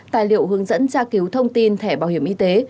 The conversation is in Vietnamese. tài liệu hướng dẫn tra cứu thông tin thẻ bảo hiểm y tế